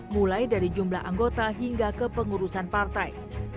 mulai dari jumlah anggota hingga kepengurusan partai